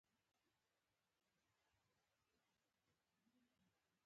د غاښ درد لپاره د میخک غوړي په غاښ کیږدئ